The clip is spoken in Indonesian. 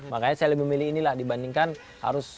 makanya saya lebih memilih inilah dibandingkan harus